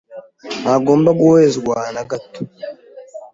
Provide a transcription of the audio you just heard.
Ntagomba guhezwa na gato